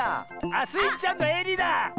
あっスイちゃんのえりだ！